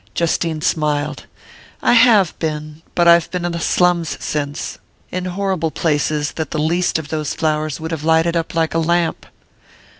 Justine smiled. "I have been but I've been in the slums since; in horrible places that the least of those flowers would have lighted up like a lamp."